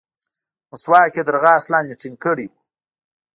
مسواک يې تر غاښ لاندې ټينګ کړى و.